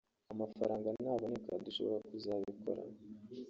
amafaranga naboneka dushobora kuzabikora